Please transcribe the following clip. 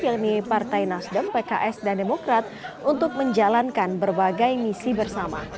yakni partai nasdem pks dan demokrat untuk menjalankan berbagai misi bersama